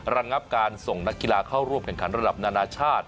ระงับการส่งนักกีฬาเข้าร่วมแข่งขันระดับนานาชาติ